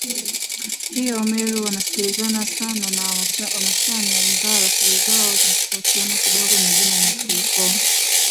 hiyo Wameru wanasikilizana sana na Wamachame ingawa lafudhi zao zinatofautiana kidogoMajina ya kiukoo